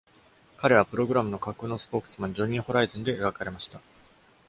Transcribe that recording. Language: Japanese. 彼はプログラムの架空のスポークスマン、ジョニーホライズンで描かれました。